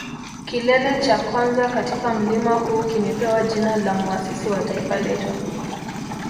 Kilele cha kwanza katika mlima huu kimepewa jina la muasisi wa taifa letu